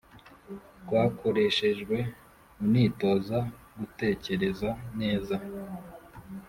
rwakoreshejwe unitoza gutekereza neza